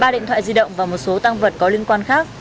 ba điện thoại di động và một số tăng vật có liên quan khác